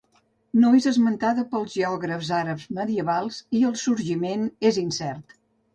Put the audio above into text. No és esmentada pels geògrafs àrabs medievals i el sorgiment és incert.